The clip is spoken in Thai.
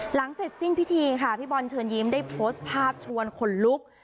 หลังเสร็จสิ้นพิธีค่ะพี่บอลเชิญยิ้มได้โพสต์ภาพชวนขนลุก